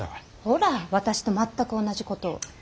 ほら私と全く同じことを。